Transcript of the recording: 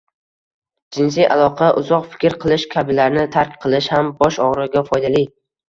Jinsiy aloqa, uzoq fikr qilish kabilarni tark qilish ham bosh og'rig'iga foydali.